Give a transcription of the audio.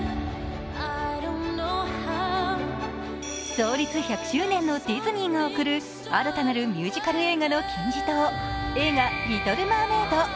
創立１００周年のディズニーが送る新たなるミュージカル映画の金字塔、映画「リトル・マーメイド」。